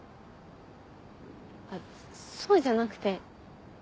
あそうじゃなくて。